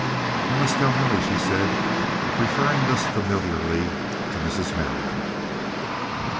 "I must tell Nellie," she said, referring thus familiarly to Mrs. Merrill.